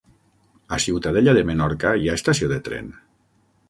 A Ciutadella de Menorca hi ha estació de tren?